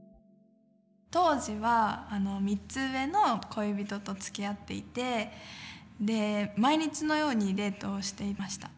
当時は３つ上の恋人とつきあっていてで毎日のようにデートをしていました。